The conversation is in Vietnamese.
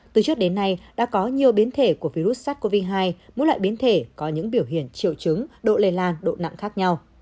từ trước đến nay đã có nhiều biến thể của virus sars cov hai mỗi loại biến thể có những biểu hiện triệu chứng độ lây lan độ nặng khác nhau